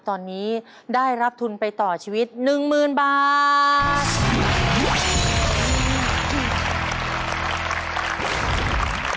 ตอนนี้ได้รับทุนไปต่อชีวิต๑๐๐๐บาท